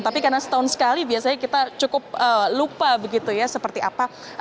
tapi karena setahun sekali biasanya kita cukup lupa begitu ya seperti apa